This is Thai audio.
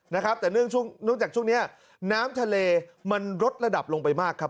นะครับแต่เนื่องช่วงเนื่องจากช่วงนี้น้ำทะเลมันลดระดับลงไปมากครับ